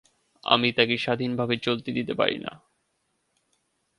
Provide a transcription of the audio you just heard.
আমি তাকে স্বাধীনভাবে চলতে দিতে পারি না।